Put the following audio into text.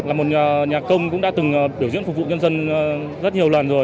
là một nhà công cũng đã từng biểu diễn phục vụ nhân dân rất nhiều lần rồi